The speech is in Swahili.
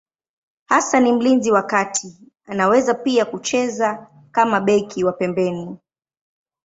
Hasa ni mlinzi wa kati, anaweza pia kucheza kama beki wa pembeni.